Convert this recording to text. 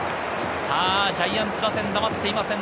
ジャイアンツ打線、黙っていません。